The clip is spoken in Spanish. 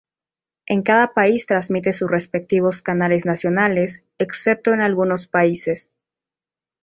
En cada país transmite sus respectivos canales nacionales, excepto en algunos países.